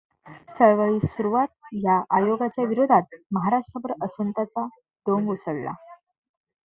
चळवळीस सुरुवात या आयोगाच्या विरोधात महाराष्ट्रभर असंतोषाचा डोंब उसळला.